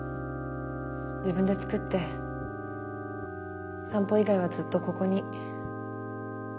自分で作って散歩以外はずっとここに。